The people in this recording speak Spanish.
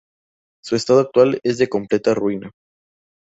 Su estado actual es de completa ruina.